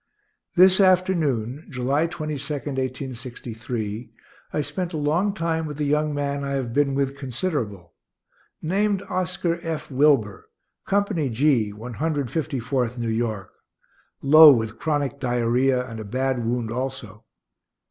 This afternoon, July 22, 1863, I spent a long time with a young man I have been with considerable, named Oscar F. Wilber, Company G, One Hundred Fifty fourth New York, low with chronic diarrhoea and a bad wound also.